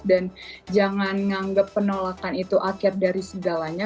dan jangan nganggep penolakan itu akhir dari segalanya